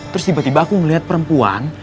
terus tiba tiba aku ngeliat perempuan